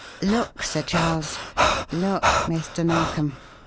Look, Sir Charles; look, Mr. Narkom.